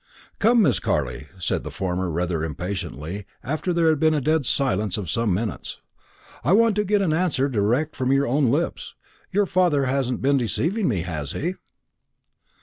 "Come, Miss Carley," said the former rather impatiently, after there had been a dead silence of some minutes, "I want to get an answer direct from your own lips. Your father hasn't been deceiving me, has he?"